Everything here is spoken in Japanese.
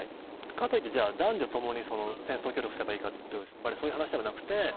かといって男女ともに戦争協力すればいいかというとそういう話ではなくて。